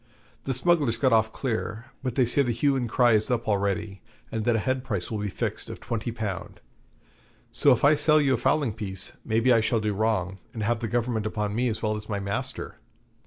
The smugglers got off clear, but they say the hue and cry is up already, and that a head price will be fixed of twenty pound. So if I sell you a fowling piece, maybe I shall do wrong, and have the Government upon me as well as my master.'